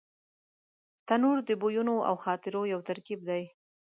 تنور د بویونو او خاطرو یو ترکیب دی